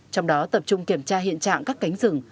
trong đó tập trung kiểm tra hiện trạng các cánh rừng